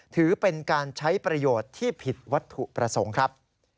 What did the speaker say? ถือเป็นการใช้ประโยชน์ที่ผิดวัตถุประสงค์ครับ